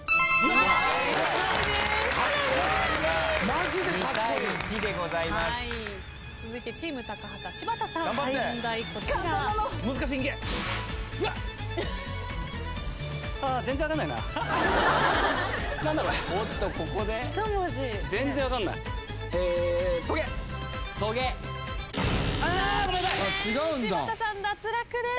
残念柴田さん脱落です。